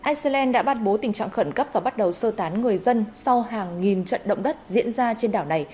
iceland đã bắt bố tình trạng khẩn cấp và bắt đầu sơ tán người dân sau hàng nghìn trận động đất diễn ra trên đảo này